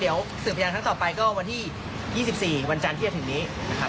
เดี๋ยวสืบพยานครั้งต่อไปก็วันที่๒๔วันจันทร์ที่จะถึงนี้นะครับ